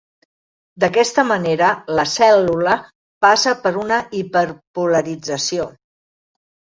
D"aquesta manera la cèl·lula passa per una hiperpolarització.